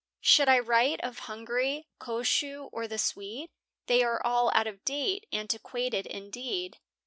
Should I write of Hungary, Kossuth, or the Swede, They are all out of date, antiquated indeed.